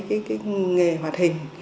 cái nghề hoạt hình